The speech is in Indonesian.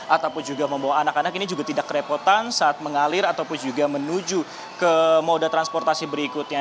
ataupun juga membawa anak anak ini juga tidak kerepotan saat mengalir ataupun juga menuju ke moda transportasi berikutnya